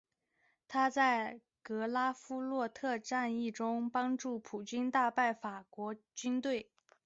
他在格拉夫洛特战役中帮助普军大败法国军队。